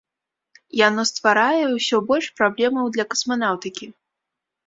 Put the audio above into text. Яно стварае ўсё больш праблемаў для касманаўтыкі.